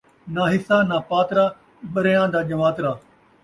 ناں حصہ ناں پاترا ، بریاں دا ڄن٘واترا